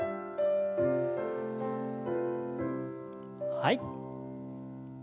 はい。